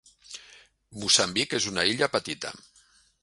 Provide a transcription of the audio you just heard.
Moçambic és una illa petita.